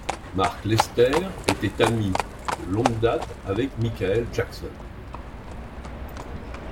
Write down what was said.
Mark Lester était ami de longue date avec Michael Jackson.